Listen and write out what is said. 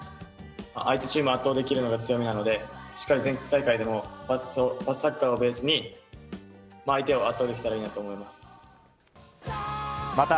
相手チームを圧倒できるのが強みなので、しっかり全国大会でもパスサッカーをベースに、相手を圧倒できたらいいなと思います。